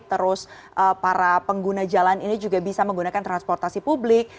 terus para pengguna jalan ini juga bisa menggunakan transportasi publik